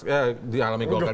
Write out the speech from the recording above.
ya dialami govar